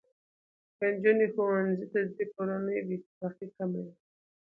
که نجونې ښوونځي ته ځي، کورنۍ بې اتفاقي کمه وي.